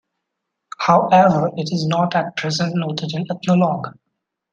However, it is not at present noted in "Ethnologue".